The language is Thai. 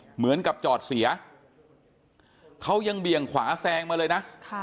เหมือนกับจอดเสียเขายังเบี่ยงขวาแซงมาเลยนะ